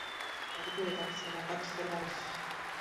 Tagad turiet acis vaļā. Katrs sargā visus.